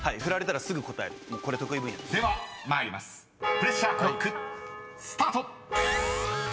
プレッシャークロックスタート！］